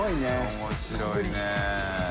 面白いね。